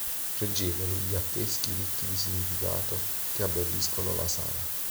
Pregevoli gli affreschi ricchi di significato che abbelliscono la sala.